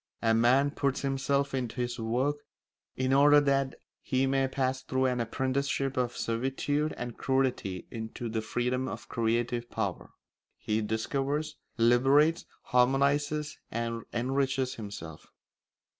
A man puts himself into his work in order that he may pass through an apprenticeship of servitude and crudity into the freedom of creative power. He discovers, liberates, harmonises, and enriches himself.